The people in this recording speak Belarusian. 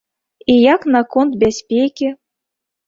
І як наконт бяспекі?